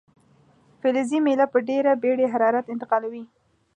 فلزي میله په ډیره بیړې حرارت انتقالوي.